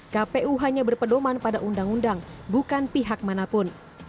kpu hanya berpedoman pada undang undang bukan pihak manapun